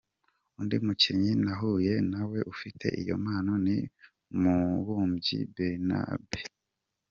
Undi mukinnyi nahuye nawe ufite iyo mpano ni Mubumbyi Bernabe.